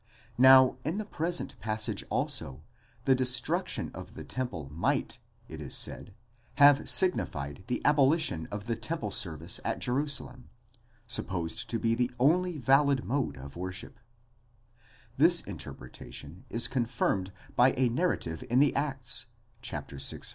Now in the present passage also, the destruction of the temple might, it is said, have signified the abolition of the temple service at. Jerusalem, supposed to be the only valid mode of worship, This interpreta tion is confirmed by a narrative in the Acts (vi. 14).